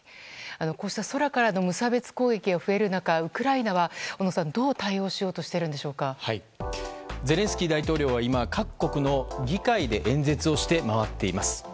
こうした空からの無差別攻撃が増える中ウクライナは小野さんどう対応しようとゼレンスキー大統領は今、各国の議会で演説をして回っています。